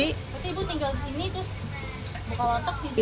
tapi ibu tinggal di sini terus buka watak di sini